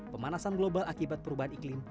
pemanasan global akibat perubahan iklim